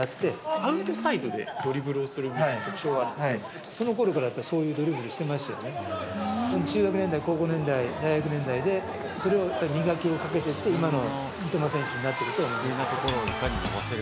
アウトサイドでドリブルをすそのころからやっぱそういうドリブルしてましたよね、中学年代、高校年代、大学年代でそれをやっぱり磨きをかけてって今の三笘選手になっていると思います。